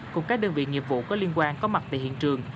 cùng các đơn vị nghiệp vụ có liên quan có mặt tại hiện trường